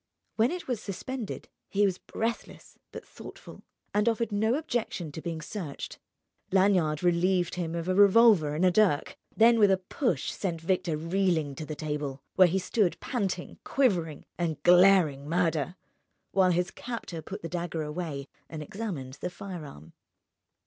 When it was suspended, he was breathless but thoughtful, and offered no objection to being searched. Lanyard relieved him of a revolver and a dirk, then with a push sent Victor reeling to the table, where he stood panting, quivering, and glaring murder, while his captor put the dagger away and examined the firearm.